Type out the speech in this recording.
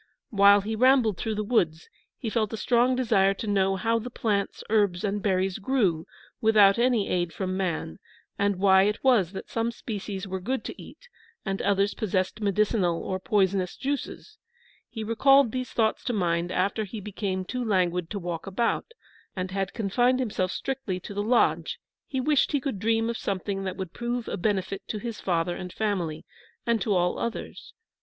While he rambled through the woods, he felt a strong desire to know how the plants, herbs, and berries grew without any aid from man, and why it was that some species were good to eat and others possessed medicinal or poisonous juices. He recalled these thoughts to mind after he became too languid to walk about, and had confined himself strictly to the lodge; he wished he could dream of something that would prove a benefit to his father and family, and to all others.